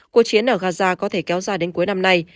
cuộc chiến ở gaza có thể kéo dài đến cuối năm nay